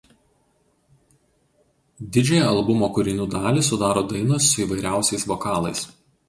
Didžiąją albumo kūrinių dalį sudaro dainos su įvairiausiais vokalais.